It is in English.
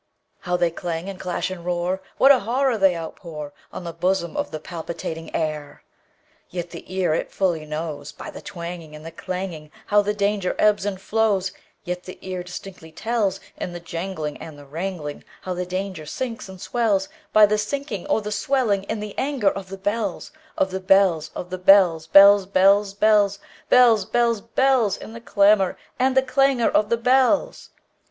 How they clang, and clash, and roar! What a horror they outpourOn the bosom of the palpitating air! Yet the ear it fully knows, By the twangingAnd the clanging, How the danger ebbs and flows; Yet the ear distinctly tells, In the janglingAnd the wrangling, How the danger sinks and swells,—By the sinking or the swelling in the anger of the bells, Of the bells, Of the bells, bells, bells, bells, Bells, bells, bells—In the clamor and the clangor of the bells!